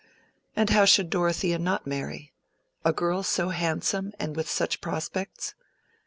And how should Dorothea not marry?—a girl so handsome and with such prospects?